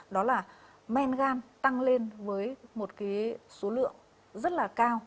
đó là men gan tăng lên với một cái số lượng rất là cao